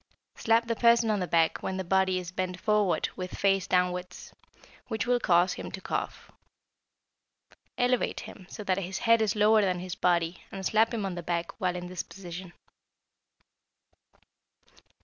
Slap the person on the back when the body is bent forward with face downwards, which will cause him to cough. Elevate him so that his head is lower than his body and slap him on the back while in this position.